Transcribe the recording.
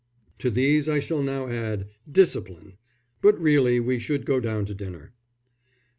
To these I shall now add: 'Discipline.' But really we should go down to dinner."